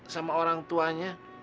sama orang tuanya